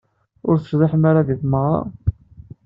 Ur tecḍiḥem ara di tmeɣra.